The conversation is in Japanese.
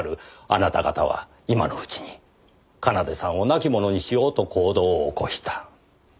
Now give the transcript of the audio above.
あなた方は今のうちに奏さんを亡き者にしようと行動を起こした。